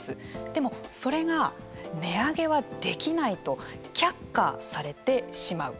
でもそれが、値上げはできないと却下されてしまう。